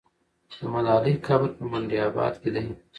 د ملالۍ قبر په منډآباد کې دی.